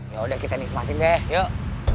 yaudah kita nikmatin deh yuk